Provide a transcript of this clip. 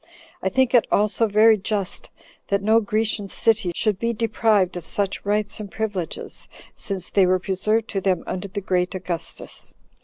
I think it also very just that no Grecian city should be deprived of such rights and privileges, since they were preserved to them under the great Augustus.